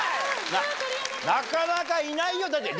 なかなかいないよだって。